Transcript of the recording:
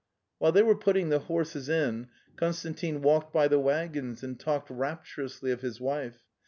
While they were putting the horses in, Konstantin walked by the waggons and talked rapturously of his wife.